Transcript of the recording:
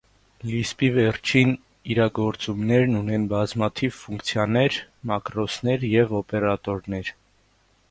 Լիսպի վերջին իրագործումներն ունեն բազմաթիվ ֆունկցիաներ, մակրոսներ և օպերատորներ։